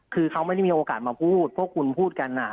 คือเขาไม่ได้มีโอกาสมาพูดพวกคุณพูดกัน